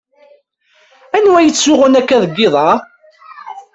Anwa yettsuɣun akka deg iḍ-a?